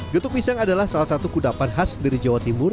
getuk pisang adalah salah satu kudapan khas dari jawa timur